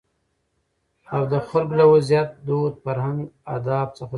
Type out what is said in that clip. او دخلکو له وضعيت، دود، فرهنګ اداب څخه ځان خبروي.